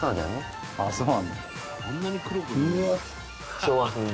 昭和風に。